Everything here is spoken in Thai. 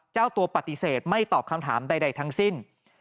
เจ้าตัวปฏิเสธไม่ตอบคำถามใดทั้งสิ้น